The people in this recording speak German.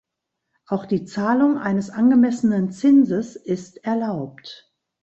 Auch die Zahlung eines angemessenen Zinses ist erlaubt.